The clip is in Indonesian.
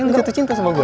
lo jatuh cinta sama gue